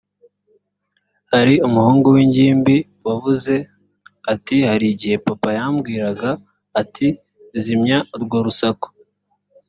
hari umuhungu w ingimbi wavuze ati hari igihe papa yambwiraga ati zimya urwo rusaku